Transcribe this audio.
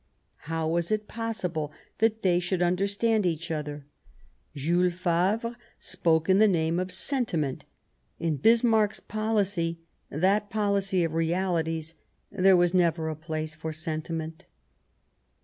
How was it possible they should under stand each other ? Jules Favre spoke in the name of sentiment ; in Bismarck's policy, that policy of realities, there was never a place for sentiment.